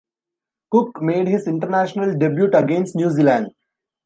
Cook made his international debut against New Zealand.